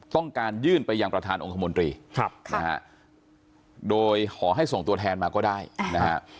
ต้องการยื่นไปยังประธานองคมนตรีนะฮะโดยขอให้ส่งตัวแทนมาก็ได้นะฮะ